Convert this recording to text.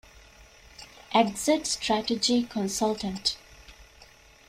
އެގްޒިޓް ސްޓްރެޓަޖީ ކޮންސަލްޓަންޓް